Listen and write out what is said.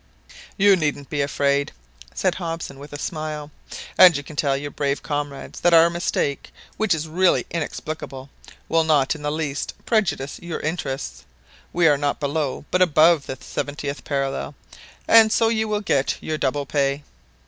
"You needn't be afraid," said Hobson with a smile; "and you can tell your brave comrades that our mistake, which is really inexplicable, will not in the least prejudice your interests. We are not below, but above the seventieth parallel, and so you will get your double pay."